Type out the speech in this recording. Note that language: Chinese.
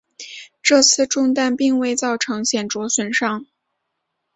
这次中弹并未造成显着损伤。